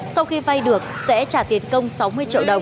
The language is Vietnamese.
sau khi vay được sẽ trả tiền công sau